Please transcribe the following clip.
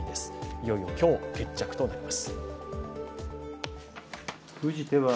いよいよ、今日、決着となります。